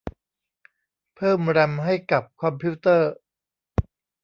เพิ่มแรมให้กับคอมพิวเตอร์